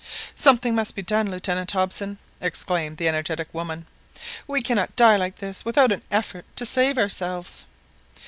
"Something must be done, Lieutenant Hobson !" exclaimed the energetic woman; "we cannot die like this without an effort to save ourselves